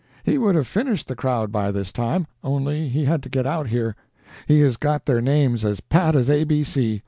He would have finished the crowd by this time, only he had to get out here. He has got their names as pat as A B C.